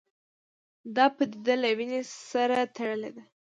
دا پدیده له وینې سره تړلې ده